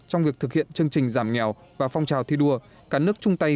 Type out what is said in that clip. trong việc thực hiện chương trình giảm nghèo và phong trào thi đua cả nước chung tay